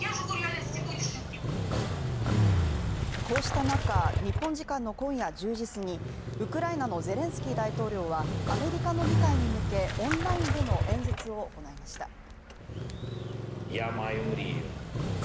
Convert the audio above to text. こうした中、日本時間の今夜１０時すぎウクライナのゼレンスキー大統領はアメリカの議会に向けオンラインでの演説を行いました。